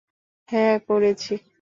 হ্যাঁ, করেছি!